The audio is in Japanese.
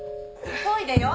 急いでよ！